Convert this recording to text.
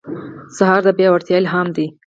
سهار د پیاوړتیا الهام دی.